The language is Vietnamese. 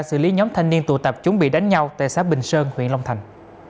xử lý nhóm thanh niên tụ tập chuẩn bị đánh nhau tại xã bình sơn huyện long thành